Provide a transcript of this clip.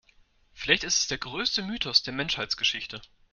Vielleicht ist es der größte Mythos der Menschheitsgeschichte.